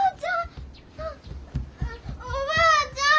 おばあちゃん。